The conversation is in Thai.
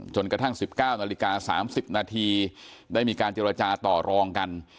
จนกระทั่ง๑๙นาฬิกา๓๐นาทีได้มีการเจรจาต่อรองกัน